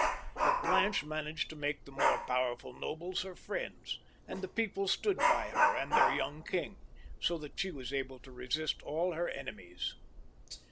But Blanche managed to make the more powerful nobles herj friends, and the people stood by her and their young king, so that she was able to resist all her enemies.